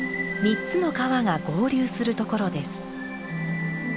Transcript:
３つの川が合流するところです。